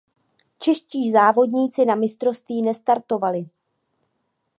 Čeští závodníci na mistrovství nestartovali.